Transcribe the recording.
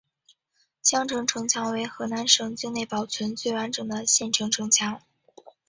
襄城城墙为河南省境内保存最完整的县城城墙。